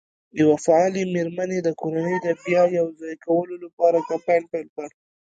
یوه فعالې مېرمن د کورنۍ د بیا یو ځای کولو لپاره کمپاین پیل کړ.